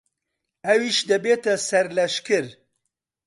ئەویش دەبێتە سەرلەشکر.